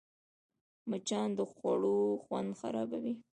مچان د خوړو خوند خرابوي